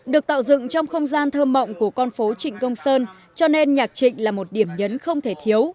được tạo dựng trong không gian thơm mộng của con phố trịnh công sơn cho nên nhạc trịnh là một điểm nhấn không thể thiếu